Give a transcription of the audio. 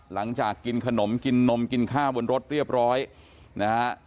หลังจากกินขนมกินนมกินข้าวบนรถเรียบร้อยนะฮะ